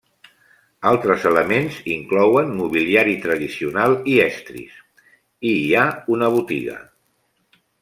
Altres elements inclouen mobiliari tradicional i estris, i hi ha una botiga.